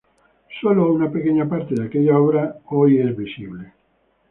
Solo una pequeña parte de aquella obra es hoy visible.